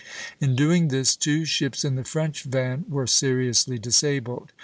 In doing this, two ships in the French van were seriously disabled.